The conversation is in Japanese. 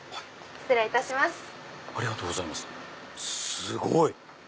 すごい！